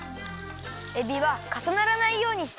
えびはかさならないようにしてね。